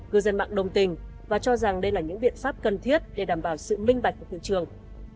cư dân mạng đồng tình và cho rằng đây là những biện pháp cần thiết để đảm bảo sự minh bạch của thị trường